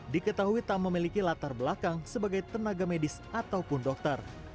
diketahui tak memiliki latar belakang sebagai tenaga medis ataupun dokter